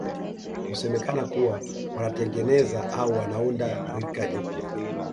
Husemekana kuwa wanatengeneza au wanaunda rika jipya